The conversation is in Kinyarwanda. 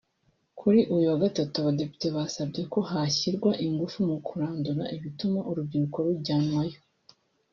Kuri uyu wa Gatatu Abadepite basabye ko hashyirwa ingufu mu kurandura ibituma urubyiruko rujyanwayo